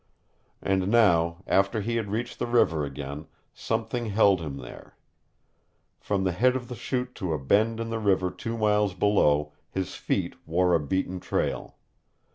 And now, after he had reached the river again, something held him there. From the head of the Chute to a bend in the river two miles below, his feet wore a beaten trail.